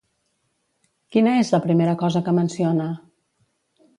Quina és la primera cosa que menciona?